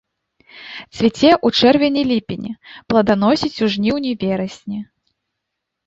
Цвіце ў чэрвені-ліпені, пладаносіць у жніўні-верасні.